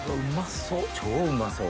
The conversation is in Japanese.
うまそっ。